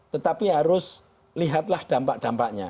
tetapi harus lihatlah dampak dampaknya